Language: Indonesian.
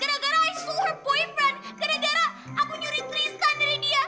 gara gara i stole her boyfriend gara gara aku nyuri tristan dari dia